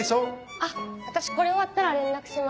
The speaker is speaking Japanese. あっ私これ終わったら連絡します。